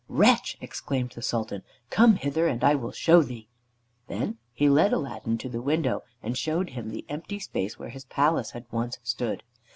"Wretch!" exclaimed the Sultan, "come hither, and I will show thee." Then he led Aladdin to the window and showed him the empty space where his palace had once stood.